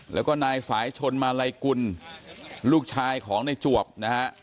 แล้วก็นายสายชนมาลัยกุลลูกชายของในจวบนะฮะ